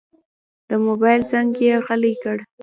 د موبایل زنګ یې غلی کړ.